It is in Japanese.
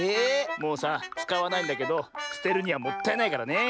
もうさつかわないんだけどすてるにはもったいないからねえ。